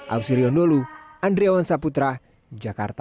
ausriyondolu andriawan saputra jakarta